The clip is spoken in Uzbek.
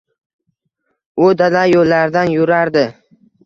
U dala yo‘llaridan yo‘rardi.